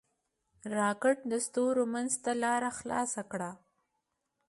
راکټ د ستورو منځ ته لاره خلاصه کړه